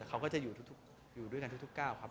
เขาก็จะอยู่ด้วยกันทุกก้าวครับ